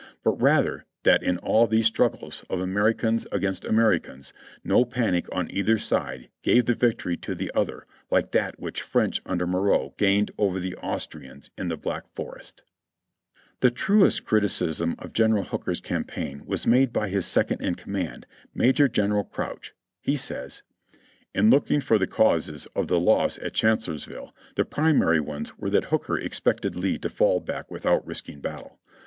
But rather that in all these struggles of Americans against Americans, no panic on either side gave the victory to the other like that which the French under Moreau gained over the Austrians in the Black Forest." (Reb. Records, Vol. 25, p. 193.) The truest criticism of General Hooker's campaign was made by his second in command, Major General Crouch. He says : "In looking for the causes of the loss of Chancellorsville, the primary ones were that Hooker expected Lee to fall back with out risking battle.